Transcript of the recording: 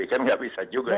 kan nggak bisa juga gitu